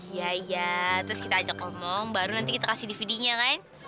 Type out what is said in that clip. iya iya terus kita ajak ngomong baru nanti kita kasih dvd nya kan